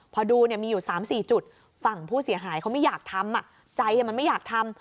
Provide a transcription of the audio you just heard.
พอดูมีอยู่๓๔จุดฝั่งผู้เสียหายเขาไม่อยากทำใจมันไม่อยากทำ